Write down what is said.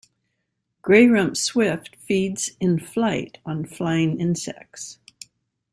Grey-rumped swift feeds in flight on flying insects.